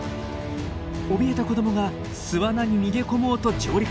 おびえた子どもが巣穴に逃げ込もうと上陸。